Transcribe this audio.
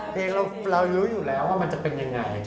เพลงเรารู้อยู่แล้วว่ามันจะเป็นยังไง